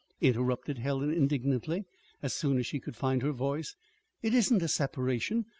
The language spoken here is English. interrupted Helen indignantly, as soon as she could find her voice. "It isn't a separation.